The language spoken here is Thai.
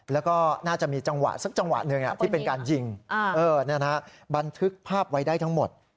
แล้วก็น่าจะมีจังหวะสักจังหวะหนึ่งที่เป็นการยิงบันทึกภาพไว้ได้ทั้งหมด